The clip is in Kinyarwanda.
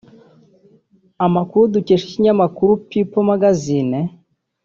Amakuru dukesha ikinyamakuru people magazine